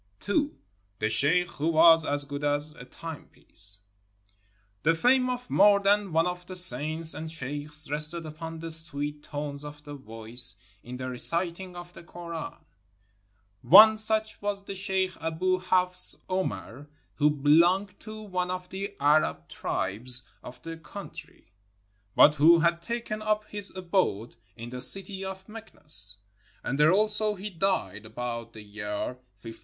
II. THE SHEIKH WHO WAS AS GOOD AS A TIMEPIECE The fame of more than one of the saints and sheikhs rested upon the sweet tones of the voice in the reciting of the Koran. One such was the sheikh Aboo Hafs Omar, who belonged to one of the Arab tribes of the country, but who had taken up his abode in the city of Meknes; and there also he died, about the year 1540.